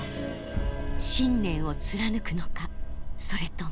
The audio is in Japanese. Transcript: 信念を貫くのかそれとも。